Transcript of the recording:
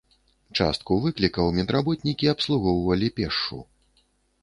Частку выклікаў медработнікі абслугоўвалі пешшу.